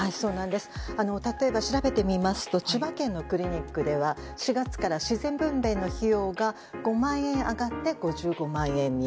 例えば調べてみますと千葉県のクリニックでは４月から自然分娩の費用が５万円上がって５５万円に。